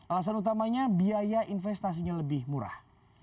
alasan utamanya biaya investasinya lebih murah